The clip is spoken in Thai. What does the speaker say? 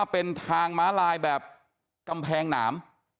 เป็นทางม้าลายแบบกำแพงหนาม